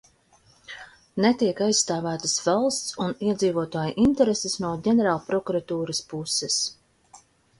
Netiek aizstāvētas valsts un iedzīvotāju intereses no Ģenerālprokuratūras puses.